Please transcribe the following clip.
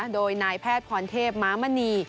โดยนายแพทย์พรเทพม้ามณี